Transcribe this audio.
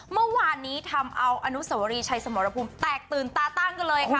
เมื่อวานนี้ทำเอาอนุสวรีชัยสมรภูมิแตกตื่นตาตั้งกันเลยค่ะ